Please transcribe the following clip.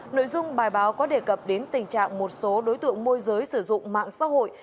nội dung bài báo có đề cập đến tình trạng một số đối tượng môi giới sử dụng mạng xã hội